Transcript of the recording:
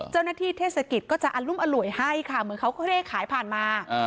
เทศกิจก็จะอรุมอร่วยให้ค่ะเหมือนเขาก็เลขขายผ่านมา